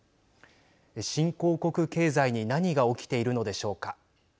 新興国経済に何が起きているのでしょうか。